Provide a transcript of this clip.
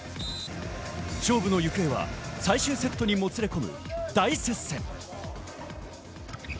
勝負の行方は最終セットにもつれ込み大接戦。